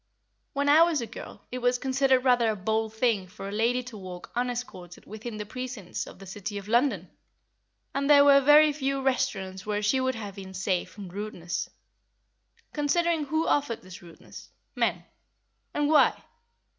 When I was a girl, it was considered rather a bold thing for a lady to walk unescorted within the precincts of the City of London, and there were very few restaurants where she would have been safe from rudeness. Consider who offered this rudeness: men. And why?